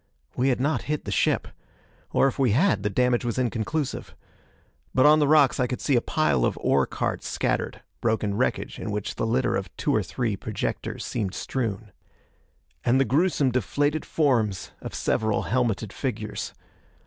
We had not hit the ship. Or if we had, the damage was inconclusive. But on the rocks I could see a pile of ore carts scattered broken wreckage, in which the litter of two or three projectors seemed strewn. And the gruesome deflated forms of several helmeted figures.